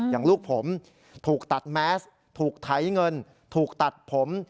อย่างลูกผมถูกตัดแมสถูกไถเงินถูกตัดผม